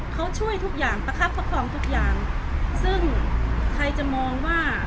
เขาช่วยทุกอย่างประคับประคองทุกอย่างซึ่งใครจะมองว่า